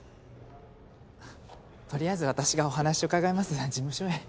とりあえず私がお話伺います事務所へ。